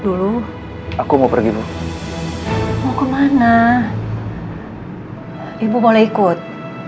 dulu aku mau pergi bu mau kemana ibu boleh ikut